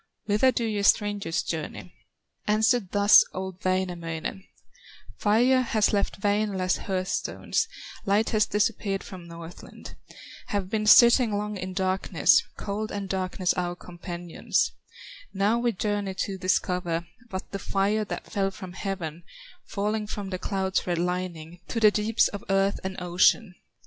Whither do ye strangers journey?" Answered thus old Wainamoinen: "Fire has left Wainola's hearth stones, Light has disappeared from Northland; Have been sitting long in darkness, Cold and darkness our companions; Now we journey to discover What the fire that fell from heaven, Falling from the cloud's red lining, To the deeps of earth and ocean."